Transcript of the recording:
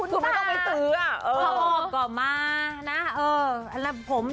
ดูไม่ต้องไปซื้อ